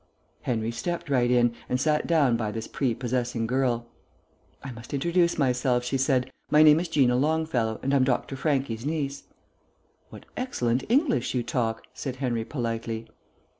Henry stepped right in, and sat down by this prepossessing girl. "I must introduce myself," she said. "My name is Gina Longfellow, and I'm Dr. Franchi's niece." "What excellent English you talk," said Henry politely.